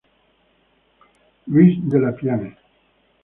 Luis Dellepiane.